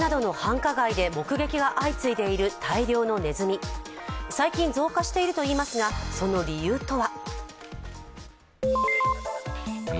今、新宿などの繁華街で目撃が相次いでいる大量のねずみ、最近増加しているといいますが、その理由とは。